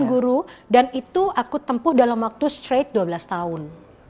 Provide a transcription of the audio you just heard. guru dan itu aku tempuh dalam waktu straight dua belas tahun